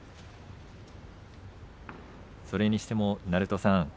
それにしても鳴戸さん